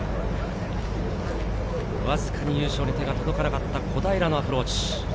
わずかに優勝に手が届かなかった小平のアプローチ。